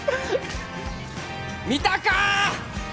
見たかー！